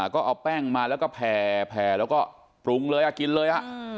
ก็เอาแป้งมาแล้วก็แผ่แล้วก็ปรุงเลยกินเลย